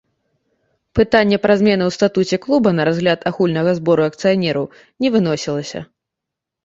Пытанне пра змены ў статуце клуба на разгляд агульнага збору акцыянераў не выносілася.